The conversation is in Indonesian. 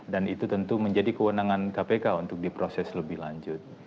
dan itu tentu menjadi kewenangan kpk untuk diproses lebih lanjut